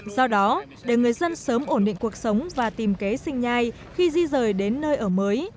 do đó để người dân sớm ổn định cuộc sống và tìm kế sinh nhai khi di rời đến nơi ở mới